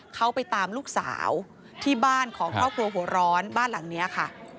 เขาไปตามลูกสาวที่บ้านของครอบครัวหัวร้อนบ้านหลังนี้ค่ะ